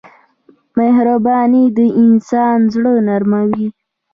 مهرباني د انسان زړه نرموي.